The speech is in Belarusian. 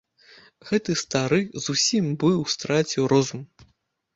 Гэты стары зусім быў страціў розум.